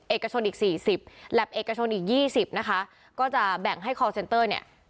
เอกชนอีก๔๐แล็บเอกชนอีก๒๐นะคะก็จะแบ่งให้คอร์เซนเตอร์เนี่ย